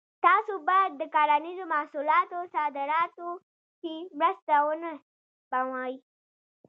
تاسو باید د کرنیزو محصولاتو صادراتو کې مرسته ونه سپموئ.